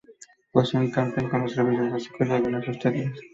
Posee un camping con los servicios básicos y algunas hosterías.